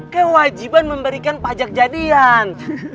kewajiban memberikan pajak jadian